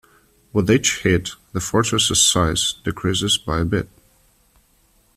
With each hit the fortress' size decreases by a bit.